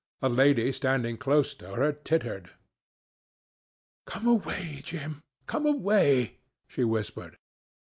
A lady standing close to her tittered. "Come away, Jim; come away," she whispered.